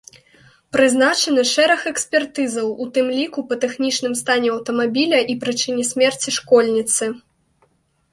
Прызначаны шэраг экспертызаў, у тым ліку па тэхнічным стане аўтамабіля і прычыне смерці школьніцы.